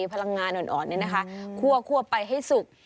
พลังงานอ่อนคั่วไปให้สุก